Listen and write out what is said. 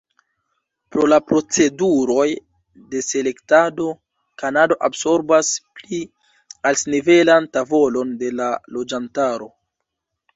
Pro la proceduroj de selektado, Kanado absorbas pli altnivelan tavolon de la loĝantaro.